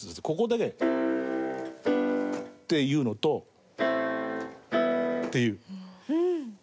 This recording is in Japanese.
ここだけで。っていうのと。っていう。